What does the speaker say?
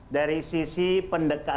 dari sisi pendekat